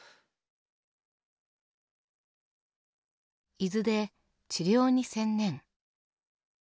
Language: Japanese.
伊豆で治療に専念。